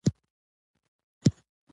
حسيب الله شينواري د تېر تاريخ يادونه وکړه.